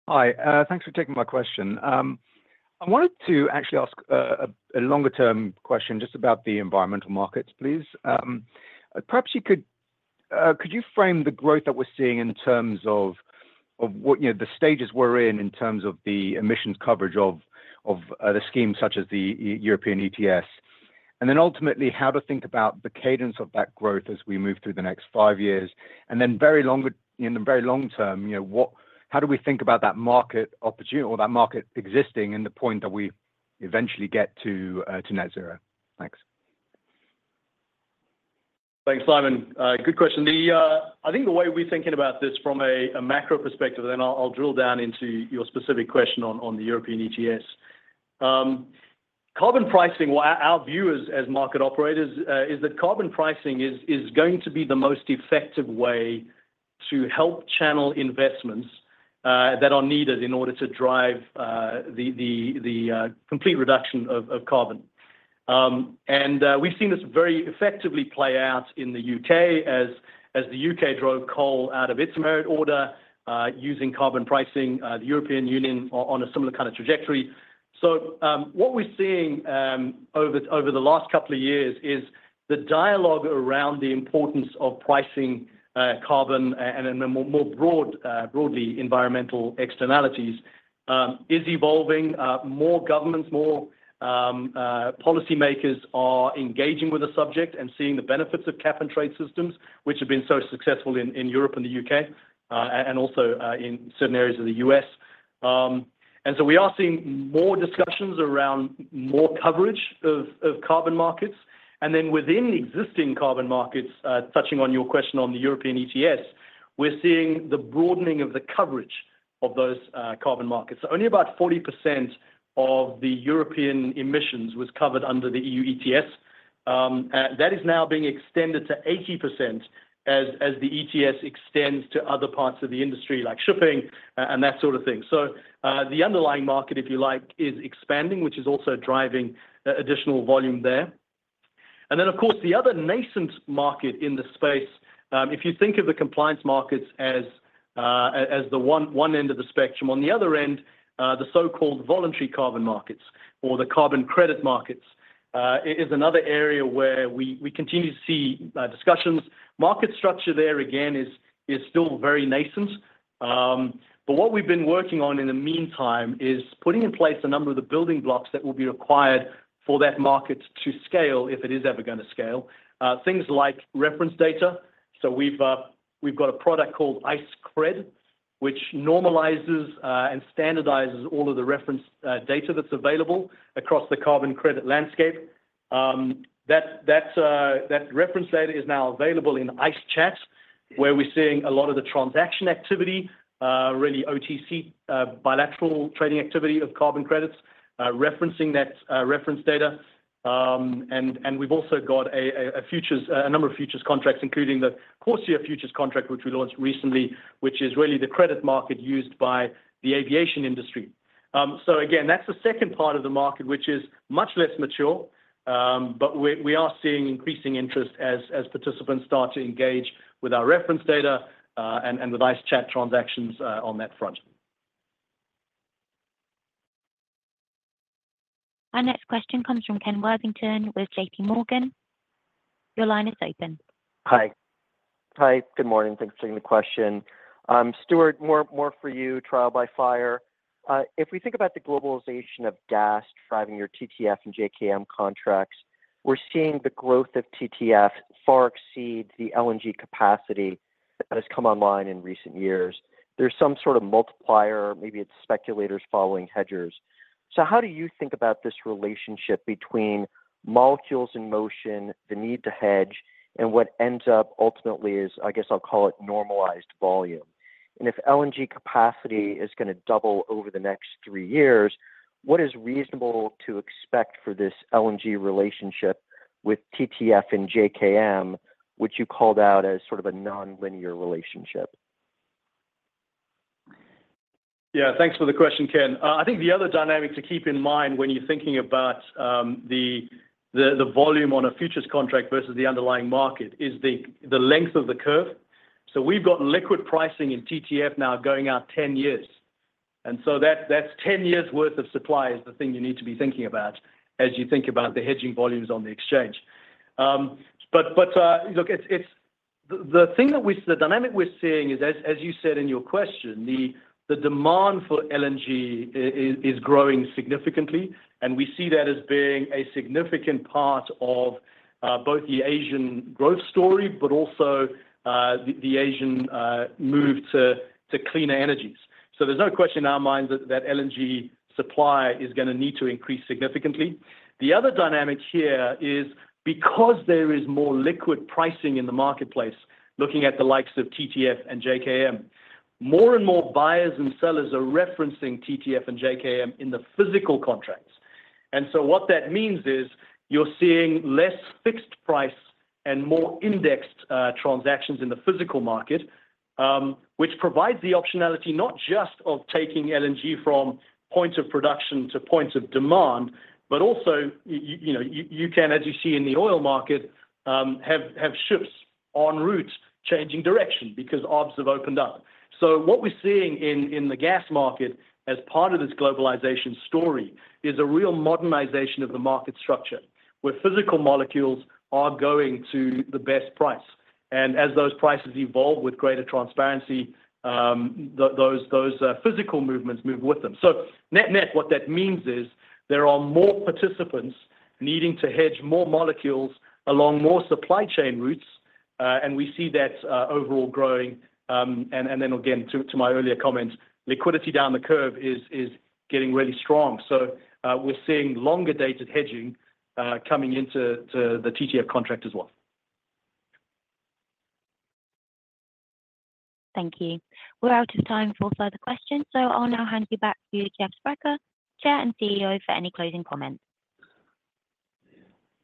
Hi. Thanks for taking my question. I wanted to actually ask a longer-term question just about the environmental markets, please. Perhaps could you frame the growth that we're seeing in terms of the stages we're in in terms of the emissions coverage of the scheme such as the European ETS? And then ultimately, how to think about the cadence of that growth as we move through the next five years? And then in the very long term, how do we think about that market opportunity or that market existing in the point that we eventually get to net zero? Thanks. Thanks, Simon. Good question. I think the way we're thinking about this from a macro perspective, and then I'll drill down into your specific question on the European ETS, carbon pricing, our view as market operators, is that carbon pricing is going to be the most effective way to help channel investments that are needed in order to drive the complete reduction of carbon. And we've seen this very effectively play out in the U.K. as the U.K. drove coal out of its merit order using carbon pricing, the European Union on a similar kind of trajectory, so what we're seeing over the last couple of years is the dialogue around the importance of pricing carbon and more broadly environmental externalities is evolving. More governments, more policymakers are engaging with the subject and seeing the benefits of cap-and-trade systems, which have been so successful in Europe and the U.K. and also in certain areas of the U.S. And so we are seeing more discussions around more coverage of carbon markets. And then within existing carbon markets, touching on your question on the European ETS, we're seeing the broadening of the coverage of those carbon markets. Only about 40% of the European emissions was covered under the E.U. ETS. That is now being extended to 80% as the ETS extends to other parts of the industry like shipping and that sort of thing. So the underlying market, if you like, is expanding, which is also driving additional volume there. And then, of course, the other nascent market in the space, if you think of the compliance markets as the one end of the spectrum, on the other end, the so-called voluntary carbon markets or the carbon credit markets is another area where we continue to see discussions. Market structure there, again, is still very nascent. But what we've been working on in the meantime is putting in place a number of the building blocks that will be required for that market to scale if it is ever going to scale, things like reference data. So we've got a product called ICE Cred, which normalizes and standardizes all of the reference data that's available across the carbon credit landscape. That reference data is now available in ICE Chat, where we're seeing a lot of the transaction activity, really OTC bilateral trading activity of carbon credits, referencing that reference data. We've also got a number of futures contracts, including the CORSIA Futures contract, which we launched recently, which is really the credit market used by the aviation industry. So again, that's the second part of the market, which is much less mature, but we are seeing increasing interest as participants start to engage with our reference data and with ICE Chat transactions on that front. Our next question comes from Ken Worthington with JPMorgan. Your line is open. Hi. Hi. Good morning. Thanks for taking the question. Stuart, more for you, trial by fire. If we think about the globalization of gas driving your TTF and JKM contracts, we're seeing the growth of TTF far exceed the LNG capacity that has come online in recent years. There's some sort of multiplier. Maybe it's speculators following hedgers. So how do you think about this relationship between molecules in motion, the need to hedge, and what ends up ultimately is, I guess I'll call it normalized volume? And if LNG capacity is going to double over the next three years, what is reasonable to expect for this LNG relationship with TTF and JKM, which you called out as sort of a non-linear relationship? Yeah. Thanks for the question, Ken. I think the other dynamic to keep in mind when you're thinking about the volume on a futures contract versus the underlying market is the length of the curve. So we've got liquid pricing in TTF now going out 10 years. And so that's 10 years' worth of supply is the thing you need to be thinking about as you think about the hedging volumes on the exchange. But look, the dynamic we're seeing is, as you said in your question, the demand for LNG is growing significantly. And we see that as being a significant part of both the Asian growth story, but also the Asian move to cleaner energies. So there's no question in our minds that LNG supply is going to need to increase significantly. The other dynamic here is because there is more liquid pricing in the marketplace, looking at the likes of TTF and JKM, more and more buyers and sellers are referencing TTF and JKM in the physical contracts. And so what that means is you're seeing less fixed price and more indexed transactions in the physical market, which provides the optionality not just of taking LNG from point of production to point of demand, but also you can, as you see in the oil market, have ships en route changing direction because odds have opened up. So what we're seeing in the gas market as part of this globalization story is a real modernization of the market structure where physical molecules are going to the best price. And as those prices evolve with greater transparency, those physical movements move with them. So net-net, what that means is there are more participants needing to hedge more molecules along more supply chain routes. And we see that overall growing. And then again, to my earlier comment, liquidity down the curve is getting really strong. So we're seeing longer-dated hedging coming into the TTF contract as well. Thank you. We're out of time for further questions. So I'll now hand you back to Jeff Sprecher, Chair and CEO, for any closing comments.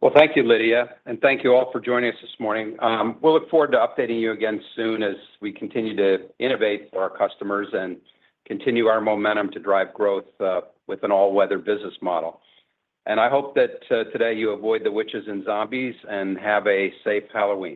Well, thank you, Lydia. And thank you all for joining us this morning. We'll look forward to updating you again soon as we continue to innovate for our customers and continue our momentum to drive growth with an all-weather business model. And I hope that today you avoid the witches and zombies and have a safe Halloween.